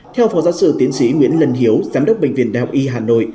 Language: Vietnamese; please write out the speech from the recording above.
theo phó giáo sư tiến sĩ nguyễn lân hiếu giám đốc bệnh viện đại học y hà nội